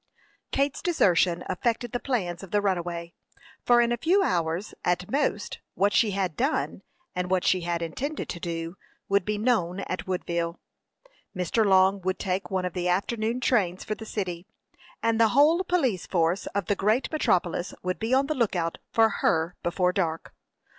Kate's desertion affected the plans of the runaway, for in a few hours, at most, what she had done, and what she intended to do, would be known at Woodville. Mr. Long would take one of the afternoon trains for the city, and the whole police force of the great metropolis would be on the lookout for her before dark.